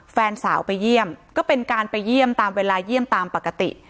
แฟนสาวไปเยี่ยมก็เป็นการไปเยี่ยมตามเวลาเยี่ยมตามปกติ